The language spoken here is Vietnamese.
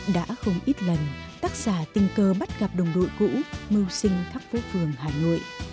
đã không ít lần tác giả tình cơ bắt gặp đồng đội cũ mưu sinh thắp phố phường hà nội